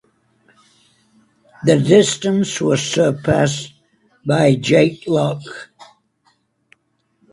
The distance was surpassed by Jake Lock.